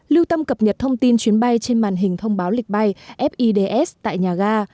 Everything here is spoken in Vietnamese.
lưu tâm cập nhật thông tin chuyến bay trên màn hình thông báo lịch bay fids tại nhà ga